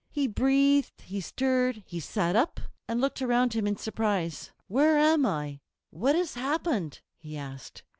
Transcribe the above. He breathed, he stirred, he sat up and looked around him in surprise. "Where am I? What has happened?" he asked.